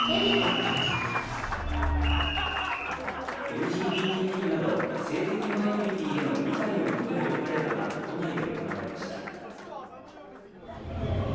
ＬＧＢＴＱなど性的マイノリティへの理解を求めるパレードが都内で行われました。